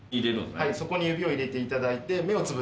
はいそこに指を入れていただいて。